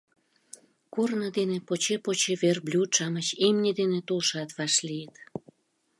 Корно дене поче-поче верблюд-шамыч, имне дене толшат вашлийыт.